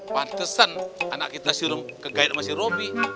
pantesan anak kita siul kegayat sama si robi